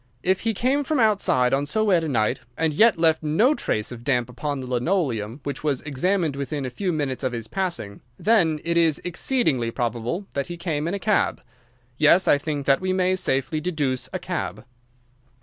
If he came from outside on so wet a night, and yet left no trace of damp upon the linoleum, which was examined within a few minutes of his passing, then it is exceeding probable that he came in a cab. Yes, I think that we may safely deduce a cab."